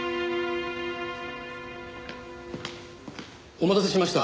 お待たせしました。